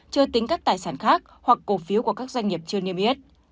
chưa tính các tài sản khác hoặc cổ phiếu của các doanh nghiệp chưa niêm yết